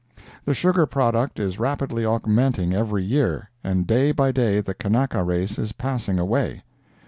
The sugar product is rapidly augmenting every year, and day by day the Kanaka race is passing away.